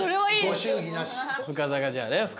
ご祝儀なし。